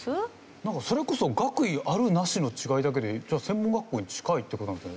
なんかそれこそ学位あるなしの違いだけでじゃあ専門学校に近いって事なんですね。